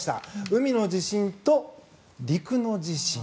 海の地震と陸の地震。